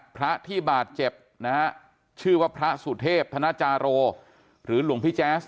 พระที่บาดเจ็บนะฮะชื่อว่าพระสุเทพธนจาโรหรือหลวงพี่แจ๊ส